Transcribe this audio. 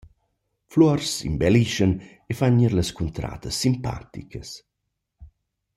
Fluors imbellischan e fan gnir las cuntradas simpaticas.